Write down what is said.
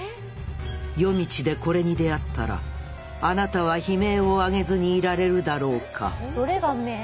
夜道でこれに出会ったらあなたは悲鳴を上げずにいられるだろうかどれが目？